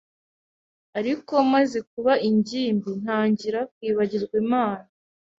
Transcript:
ariko maze kuba ingimbi ntangira kwibagirwa Imana